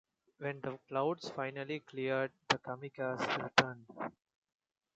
When the clouds finally cleared, the kamikaze returned.